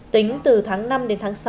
tính từ tháng năm đến tháng sáu